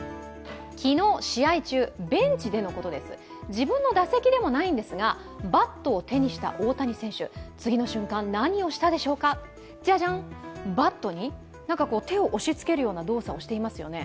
自分の打席でもないんですが、バットを手にした大谷選手、次の瞬間、何をしたでしょうかバットに手を押しつけるような動作をしていますよね。